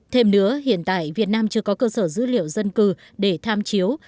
thêm nữa hiện tại việt nam chưa có cơ sở dữ liệu dân cư để tham chiếu